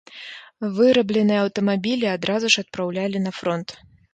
Вырабленыя аўтамабілі адразу ж адпраўлялі на фронт.